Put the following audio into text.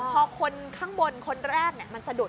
พอคนข้างบนคนแรกมันสะดุด